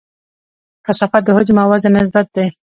کثافت د حجم او وزن نسبت دی.